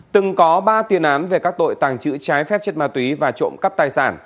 từng có ba tiền án về các tội tàng trữ trái phép chất ma túy và trộm cắp tài sản